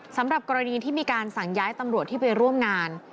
สำหรับกรณีที่มีการสั่งย้ายตำรวจที่ไปร่วมงาน